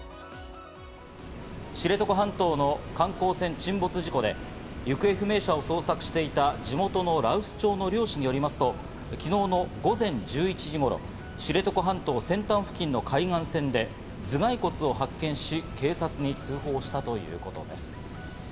知床半島の観光船沈没事故で行方不明者を捜索していた地元の羅臼町の漁師によりますと、昨日の午前１１時頃、知床半島先端付近の海岸線で頭蓋骨を発見し、警察に通報したということです。